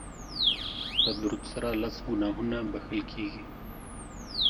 په درود سره لس ګناهونه بښل کیږي